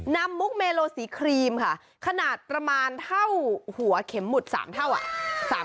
มุกเมโลสีครีมค่ะขนาดประมาณเท่าหัวเข็มหมุด๓เท่าอ่ะ